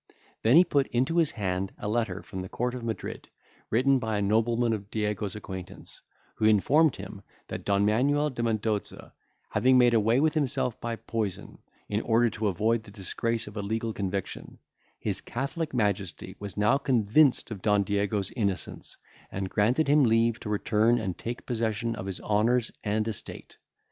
Then he put into his hand a letter from the court of Madrid, written by a nobleman of Diego's acquaintance, who informed him, that Don Manuel de Mendoza having made away with himself by poison, in order to avoid the disgrace of a legal conviction, his Catholic Majesty was now convinced of Don Diego's innocence, and granted him leave to return and take possession of his honours and estate.